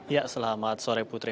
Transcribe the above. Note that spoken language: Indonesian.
ya selamat sore putri